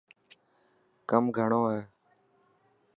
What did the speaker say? ڪم گھڻو هي.